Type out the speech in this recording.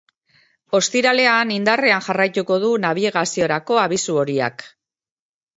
Ostiralean indarrean jarraituko du nabigaziorako abisu horiak.